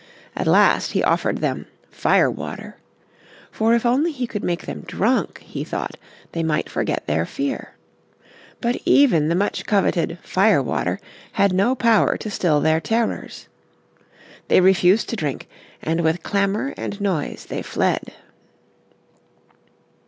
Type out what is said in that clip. At last he offered them "fire water." For if only he could make them drunk, he thought, they might forget their fear. But even the much coveted "fire water" had no power to still their terrors. They refused to drink, and with clamour and noise they fled.